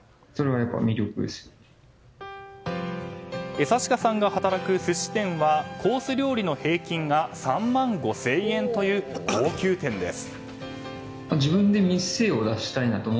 江刺家さんが働く寿司店はコース料理の平均が３万５０００円という高級店です。